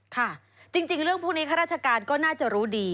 ค่ะจริงเรื่องพวกนี้ข้าราชการก็น่าจะรู้ดี